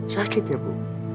sakit ya bu